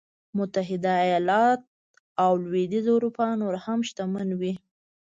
متحده ایالت او لوېدیځه اروپا نور هم شتمن وي.